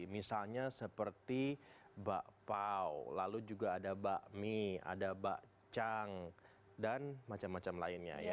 misalnya seperti bak pao lalu juga ada bak mie ada bak chang dan macam macam lainnya ya